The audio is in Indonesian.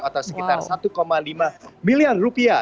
atau sekitar satu lima miliar rupiah